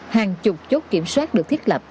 hàng chục chốt kiểm soát được thiết lập